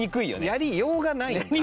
やりようがないよね。